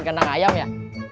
tidak ada yang bisa dipercaya